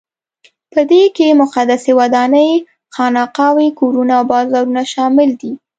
په دې کې مقدسې ودانۍ، خانقاوې، کورونه او بازارونه شامل دي.